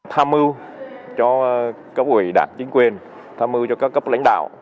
tham mưu cho các quỹ đạt chính quyền tham mưu cho các cấp lãnh đạo